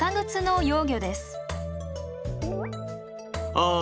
ああ